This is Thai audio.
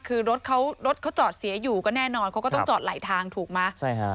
คือรถเขารถเขาจอดเสียอยู่ก็แน่นอนเขาก็ต้องจอดไหลทางถูกมั้ยใช่ฮะ